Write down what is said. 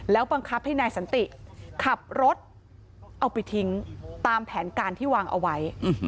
บังคับให้นายสันติขับรถเอาไปทิ้งตามแผนการที่วางเอาไว้